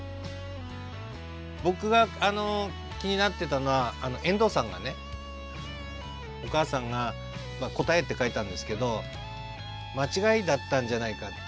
僕が気になってたのは遠藤さんがねお母さんが「こたえ」って書いたんですけど間違いだったんじゃないかって。